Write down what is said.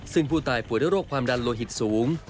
ซึ่งผู้ตายป่วยด้วยโรคความดันโลหิตสูง